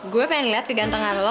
gue pengen liat kegantengan lo